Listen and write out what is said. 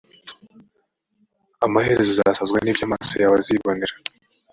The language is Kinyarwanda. amaherezo uzasazwa n’ibyo amaso yawe azibonera.